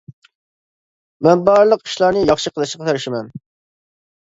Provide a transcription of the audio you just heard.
مەن بارلىق ئىشلارنى ياخشى قىلىشقا تىرىشىمەن.